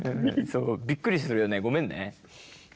そうびっくりするよねごめんね。